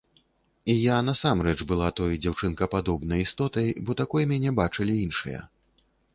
І я насамрэч была той дзяўчынкападобнай істотай, бо такой мяне бачылі іншыя.